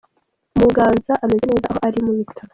Muganza ameze neza aho ari mu bitaro